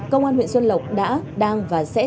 công an huyện xuân lộc đã đang và sẽ